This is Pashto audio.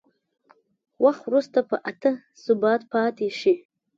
وخت وروسته په اته ثابت پاتې شي.